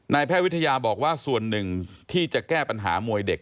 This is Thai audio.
แพทย์วิทยาบอกว่าส่วนหนึ่งที่จะแก้ปัญหามวยเด็ก